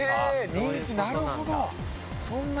人気なるほど！